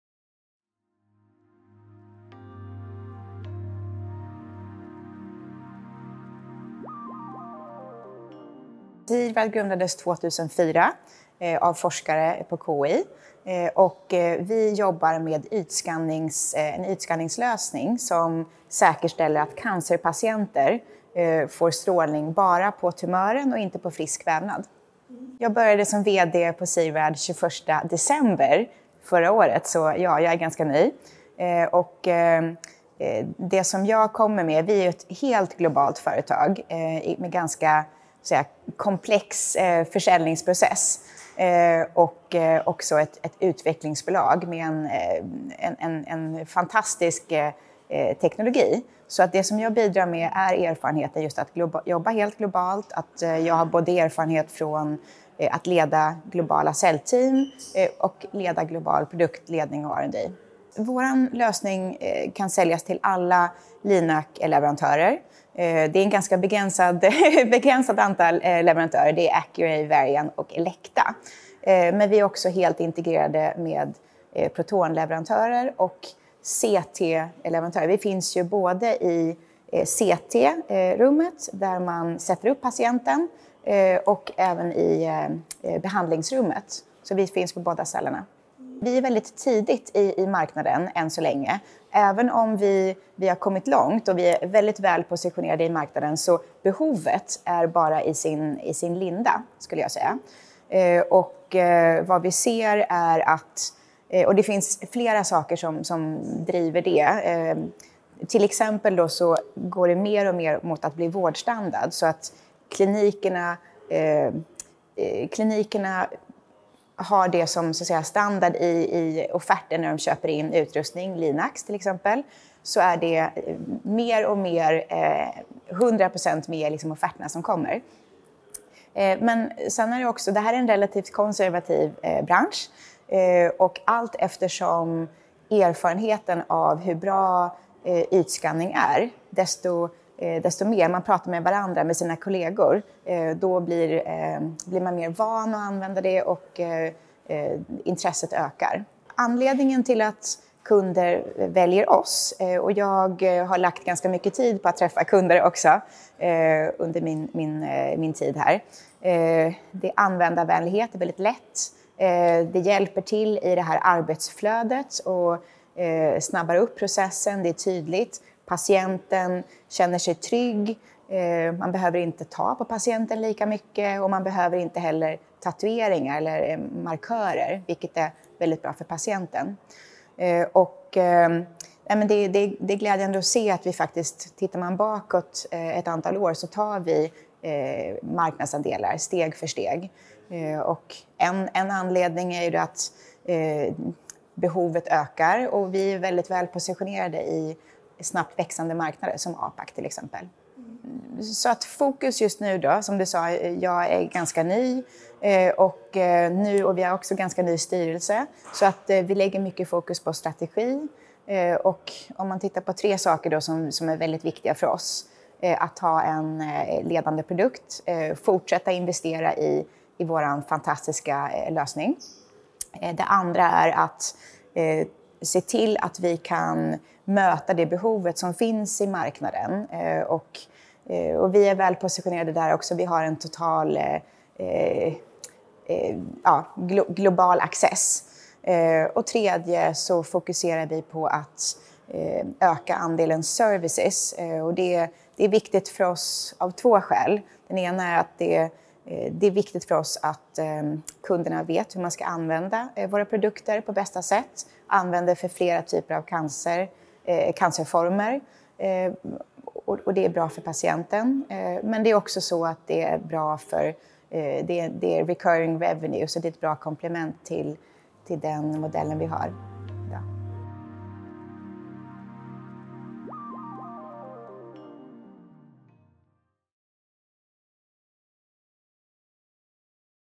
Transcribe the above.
C-RAD grundades 2004 av forskare på KI, och vi jobbar med ytskanning, en ytskanningslösning som säkerställer att cancerpatienter får strålning bara på tumören och inte på frisk vävnad. Jag började som VD på C-RAD 21 december förra året, så ja, jag är ganska ny. Det som jag kommer med, vi är ett helt globalt företag med ganska komplex försäljningsprocess och också ett utvecklingsbolag med en fantastisk teknologi. Det som jag bidrar med är erfarenheten just att jobba helt globalt, att jag har både erfarenhet från att leda globala säljteam och leda global produktledning och R&D. Vår lösning kan säljas till alla Linac-leverantörer. Det är ett ganska begränsat antal leverantörer, det är Accuray, Varian och Elekta. Men vi är också helt integrerade med protonleverantörer och CT-leverantörer. Vi finns ju både i CT-rummet där man sätter upp patienten och även i behandlingsrummet. Vi finns på båda ställena. Vi är väldigt tidigt i marknaden än så länge, även om vi har kommit långt och vi är väldigt väl positionerade i marknaden, så behovet är bara i sin linda skulle jag säga. Vad vi ser är att det finns flera saker som driver det. Till exempel går det mer och mer mot att bli vårdstandard så att klinikerna har det som standard i offerten när de köper in utrustning, Linacs till exempel, så är det mer och mer 100% av offerterna som kommer. Men sen är det också, det här är en relativt konservativ bransch och allt eftersom erfarenheten av hur bra ytskanning är, desto mer man pratar med varandra, med sina kollegor, då blir man mer van att använda det och intresset ökar. Anledningen till att kunder väljer oss, och jag har lagt ganska mycket tid på att träffa kunder också under min tid här, det är användarvänlighet, det är väldigt lätt. Det hjälper till i det här arbetsflödet och snabbar upp processen. Det är tydligt, patienten känner sig trygg, man behöver inte ta på patienten lika mycket och man behöver inte heller tatueringar eller markörer, vilket är väldigt bra för patienten. Det är glädjande att se att vi faktiskt, tittar man bakåt ett antal år, så tar vi marknadsandelar steg för steg. En anledning är ju att behovet ökar och vi är väldigt välpositionerade i snabbt växande marknader som APAC, till exempel. Fokus just nu då, som du sa, jag är ganska ny och vi har också ganska ny styrelse. Vi lägger mycket fokus på strategi och om man tittar på tre saker då som är väldigt viktiga för oss. Att ha en ledande produkt, fortsätta investera i vår fantastiska lösning. Det andra är att se till att vi kan möta det behovet som finns i marknaden och vi är välpositionerade där också. Vi har en total, ja, global access. Och tredje, fokuserar vi på att öka andelen services och det är viktigt för oss av två skäl. Den ena är att det är viktigt för oss att kunderna vet hur man ska använda våra produkter på bästa sätt, använda det för flera typer av cancer, cancerformer. Och det är bra för patienten, men det är också bra för det är recurring revenue, det är ett bra komplement till den modellen vi har idag.